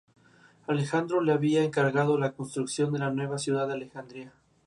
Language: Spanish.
Fue muy criticado en su tiempo por ser adicto al Proceso de Reorganización Nacional.